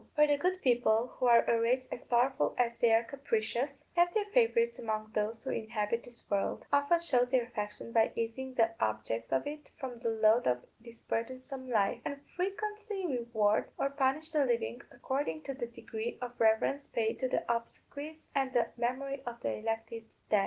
For the good people, who are a race as powerful as they are capricious, have their favourites among those who inhabit this world; often show their affection by easing the objects of it from the load of this burdensome life; and frequently reward or punish the living according to the degree of reverence paid to the obsequies and the memory of the elected dead.